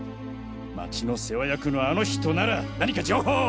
町の世話役のあの人なら何か情報を！